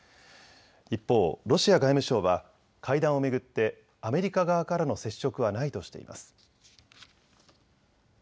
一方、ロシア外務省は会談を巡ってアメリカ側からの接触はないとしています。